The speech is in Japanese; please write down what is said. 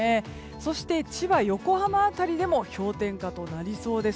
そして千葉、横浜辺りでも氷点下となりそうです。